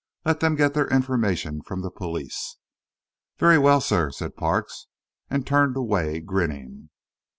Let them get their information from the police." "Very well, sir," said Parks, and turned away grinning.